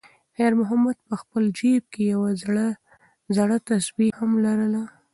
خیر محمد په خپل جېب کې یوه زړه تسبېح هم لرله.